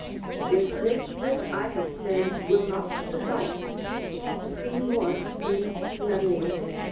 If this which I have said will not suffice, see more in Lemnius lib.